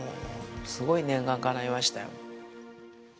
すごい念願がかないましたよ。